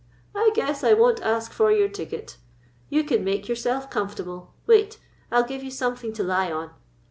" I guess I won't ask for your ticket. You can make yourself comfortable. Wait; I 'll give you something to lie on."